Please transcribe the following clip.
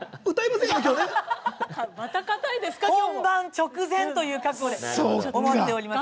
本番直前という覚悟思いでおります。